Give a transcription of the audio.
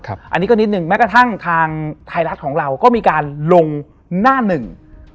อันนี้ก็นิดหนึ่งแม้กระทั่งทางไทยรัฐของเราก็มีการลงหน้าหนึ่ง